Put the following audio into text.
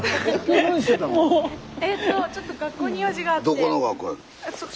えとちょっと学校に用事があって。